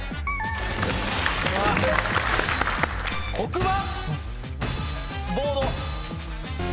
黒板